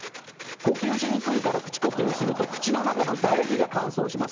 呼吸しにくいから口呼吸すると、口の中の唾液が乾燥します。